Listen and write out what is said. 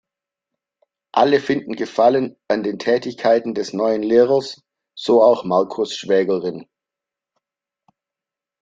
Alle finden Gefallen an den Tätigkeiten des neuen Lehrers, so auch Marcos Schwägerin.